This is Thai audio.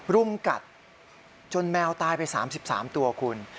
รุมกัดจนแมวตายไป๓๓ตัวคุณ